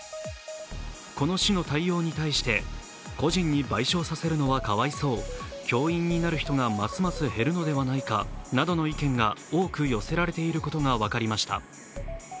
この市の対応に対して個人に賠償させるのはかわいそう、教員になる人がますます減るのではないかなどの意見が多く寄せられていることが分かりました。